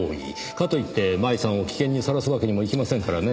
かといって麻衣さんを危険にさらすわけにもいきませんからね。